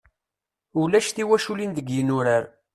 Ulac tiwaculin deg yinurar.